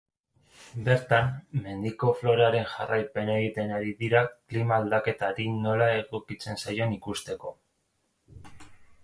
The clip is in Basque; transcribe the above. Bertan, mendiko floraren jarraipena egiten ari dira klima-aldaketari nola egokitzen zaion ikusteko.